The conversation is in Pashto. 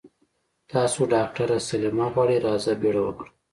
تاسو ډاکټره سليمه غواړي راځه بيړه وکړه.